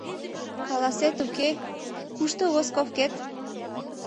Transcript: — Каласет-уке, кушто восковкет?